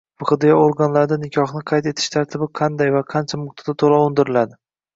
Fhdyo organlarida nikohni qayd etish tartibi qanday hamda qancha miqdorda to‘lov undiriladi?